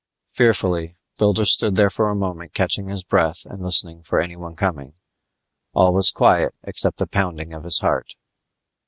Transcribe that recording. Fearfully Builder stood there for a moment catching his breath and listening for anyone coming. All was quiet except the pounding of his heart.